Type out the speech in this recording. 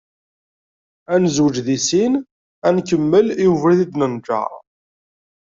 Ad nezweǧ di sin ad nkemmel i ubrid i d-nenjer.